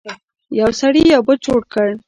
یو سړي یو بت جوړ کړ.